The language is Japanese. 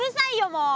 もう。